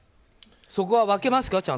そこは分けますか？